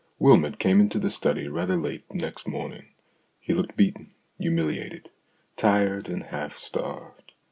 Wylmot came into the study rather late next morning. He looked beaten, humiliated, tired, and half starved.